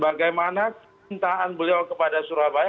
bagaimana cintaan beliau kepada surabaya